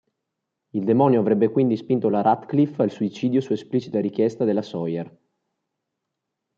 Il demonio avrebbe quindi spinto la Ratcliffe al suicidio su esplicita richiesta della Sawyer.